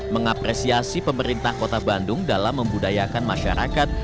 mengapresiasi pemerintah kota bandung dalam membudayakan masyarakat